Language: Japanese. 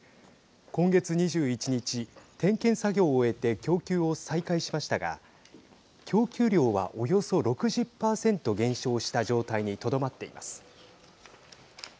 今月２１日、点検作業を終えて供給を再開しましたが供給量はおよそ６０％減少した状態にとどまっています。